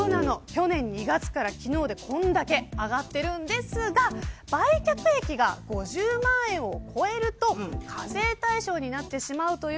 去年２月から昨日でこれだけ上がっているんですが売却益が５０万円を超えると課税対象になってしまいます。